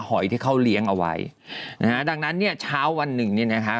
หอยที่เขาเลี้ยงเอาไว้นะฮะดังนั้นเนี่ยเช้าวันหนึ่งเนี่ยนะคะ